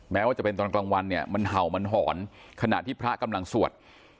แม้ว่าจะเป็นตอนกลางวันเนี่ยมันเห่ามันหอนขณะที่พระกำลังสวด